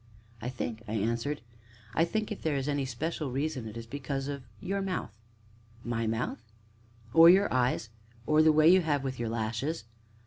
"I think," I answered, "I think, if there is any special reason, it is because of your mouth." "My mouth?" "Or your eyes or the way you have with your lashes."